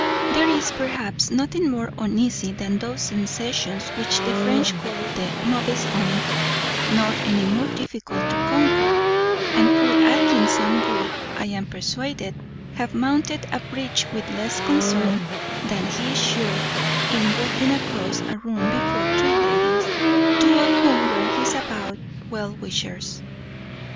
There is, perhaps, nothing more uneasy than those sensations which the French call the mauvaise honte, nor any more difficult to conquer; and poor Atkinson would, I am persuaded, have mounted a breach with less concern than he shewed in walking across a room before three ladies, two of whom were his avowed well wishers.